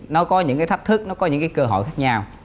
nó có những cái thách thức nó có những cái cơ hội khác nhau